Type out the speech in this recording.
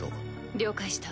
了解した。